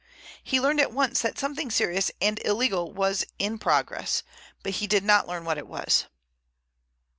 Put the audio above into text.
He learned at once that something serious and illegal was in progress, but he did not learn what it was."